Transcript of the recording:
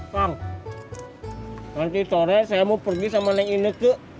bang nanti sore saya mau pergi sama neng ine ke